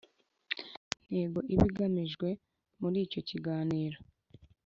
ntego iba igamijwe muri icyo kiganiro.